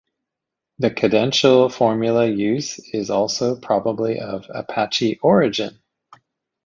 The cadential formula use is also probably of Apache origin.